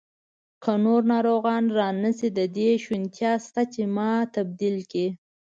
که نور ناروغان را نه شي، د دې شونتیا شته چې ما تبدیل کړي.